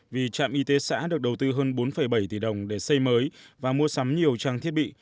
vì trạm y tế xã được đầu tư hơn bốn bảy tỷ đồng để xây mới và mua sắm nhiều trang thiết bị